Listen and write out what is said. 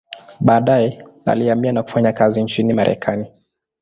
Baadaye alihamia na kufanya kazi nchini Marekani.